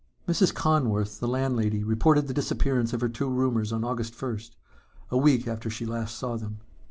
Mrs. Conworth, the landlady, reported the disappearance of her two roomers on August first, a week after she last saw them.